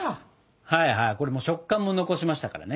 はいはいこれ食感も残しましたからね。